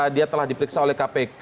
dia telah diperiksa oleh kpk